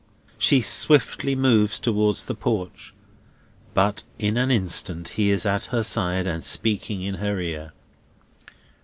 She swiftly moves towards the porch; but in an instant he is at her side, and speaking in her ear.